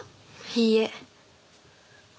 いいえ。